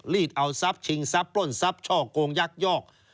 เอาทรัพย์ชิงทรัพย์ปล้นทรัพย์ช่อกงยักยอก